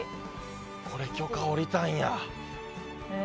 これ許可、下りたんや。